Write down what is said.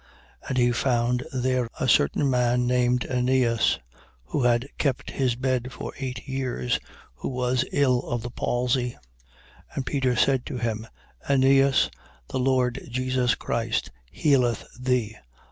9:33. And he found there a certain man named Eneas, who had kept his bed for eight years, who was ill of the palsy. 9:34. And Peter said to him: Eneas, the Lord Jesus Christ healeth thee.